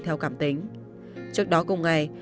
theo cảm tính trước đó cùng ngày